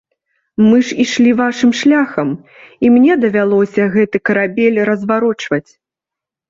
Мы ж ішлі вашым шляхам, і мне давялося гэты карабель разварочваць.